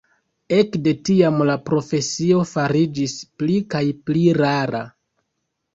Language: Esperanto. Ekde tiam la profesio fariĝis pli kaj pli rara.